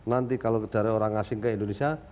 nanti kalau dari orang asing ke indonesia